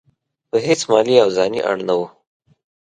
پر هیڅ مالي او ځاني اړ نه وو.